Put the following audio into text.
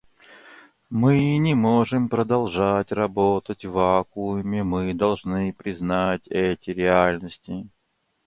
Мы не можем продолжать работать в вакууме; мы должны признать эти реальности.